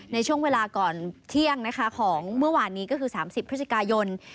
ในช่วงเวลาก่อนเที่ยงนะคะของเมื่อวานนี้ก็คือ๓๐พฤศจิกายน